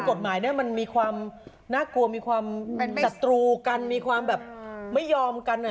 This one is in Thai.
กฎหมายเนี่ยมันมีความน่ากลัวมีความศัตรูกันมีความแบบไม่ยอมกัน